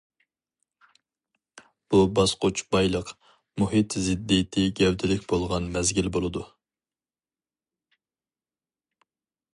بۇ باسقۇچ بايلىق، مۇھىت زىددىيىتى گەۋدىلىك بولغان مەزگىل بولىدۇ.